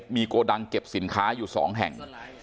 มีโกดังเก็บสินค้าอยู่๒แห่ง